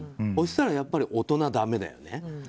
そうしたら、やっぱり大人だめだよね。